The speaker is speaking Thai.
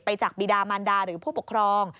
จากบีดามันดาหรือผู้ปกครอง